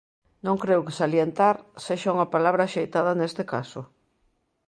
Non creo que "salientar" sexa unha palabra axeitada neste caso.